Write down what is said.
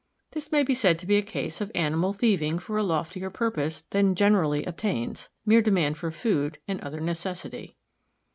This may be said to be a case of animal thieving for a loftier purpose than generally obtains, mere demand for food and other necessity.